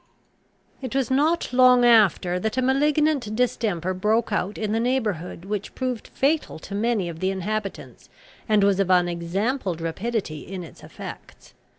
It was not long after that a malignant distemper broke out in the neighbourhood, which proved fatal to many of the inhabitants, and was of unexampled rapidity in its effects.